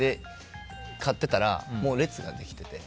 買ってたら、もう列ができてて。